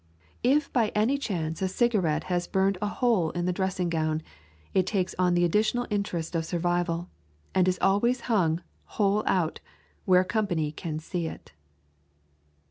If by any chance a cigarette has burned a hole in the dressing gown, it takes on the additional interest of survival, and is always hung, hole out, where company can see it.